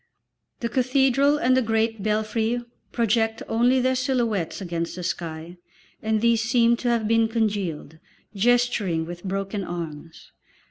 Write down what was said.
The cathedral and the great belfry project only their silhouettes against the sky, and these seem to have been congealed, gesturing with broken arms.